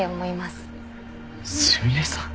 すみれさん